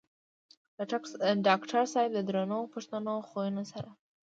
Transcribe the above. ډاکټر صېب د درنو پښتنو خويونو سره